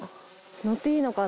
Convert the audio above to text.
乗っていいのかな